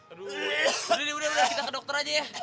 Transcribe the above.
aduh udah udah kita ke dokter aja ya